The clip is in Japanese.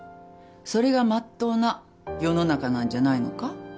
それがまっとうな世の中なんじゃないのか？